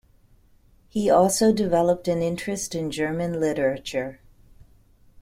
He also developed an interest in German literature.